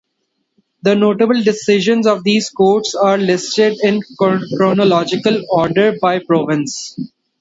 The notable decisions of these courts are listed in chronological order by province.